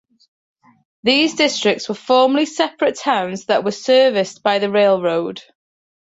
These districts were formerly separate towns that were serviced by the railroad.